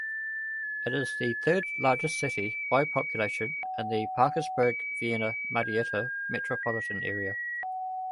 It is the third largest city by population in the Parkersburg-Vienna-Marietta metropolitan area.